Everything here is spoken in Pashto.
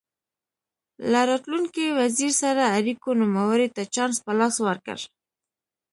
له راتلونکي وزیر سره اړیکو نوموړي ته چانس په لاس ورکړ.